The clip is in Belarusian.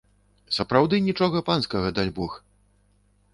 Сапраўды, нічога панскага, дальбог.